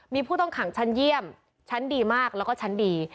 มีผู้ต้องขังชั้นเยี่ยมชั้นดีมากแล้วก็ชั้นดี